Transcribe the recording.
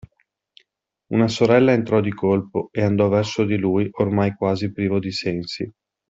Una sorella entrò di colpo e andò verso di lui ormai quasi privo di sensi.